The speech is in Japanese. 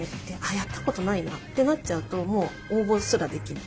やったことないなってなっちゃうともう応募すらできない。